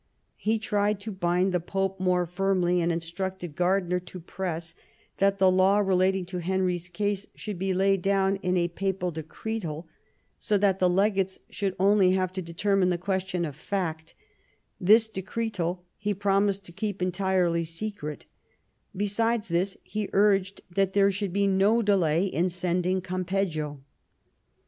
He tried to bind the Pope more firmly, and instructed Gardiner to press that the law relating to Henry's case should be laid down in a papal decretal, so that the legates should only have to determine the question of fact ; this decretal he promised to keep entirely secret; besides this, he urged that there should be no delay in sending Gampeggio.